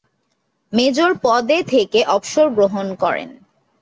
Major পদে থেকে অবসর গ্রহণ করেন।